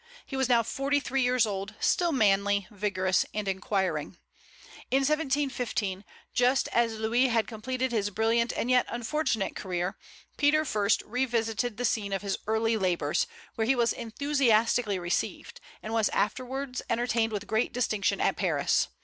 He was now forty three years old, still manly, vigorous, and inquiring. In 1715, just as Louis had completed his brilliant and yet unfortunate career, Peter first revisited the scene of his early labors, where he was enthusiastically received, and was afterwards entertained with great distinction at Paris.